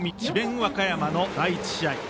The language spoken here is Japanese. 和歌山の第１試合。